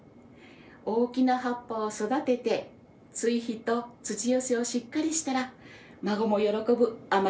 大きな葉っぱを育てて追肥と土寄せをしっかりしたら孫も喜ぶお。